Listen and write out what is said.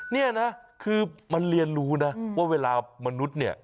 นี่นะคือมันเรียนรู้นะว่าเวลามนุษย์เนี่ย